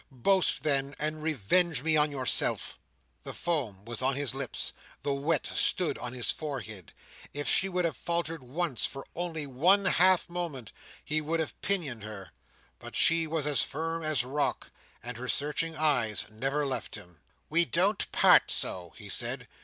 Boast then, and revenge me on yourself." The foam was on his lips; the wet stood on his forehead. If she would have faltered once for only one half moment, he would have pinioned her; but she was as firm as rock, and her searching eyes never left him. "We don't part so," he said.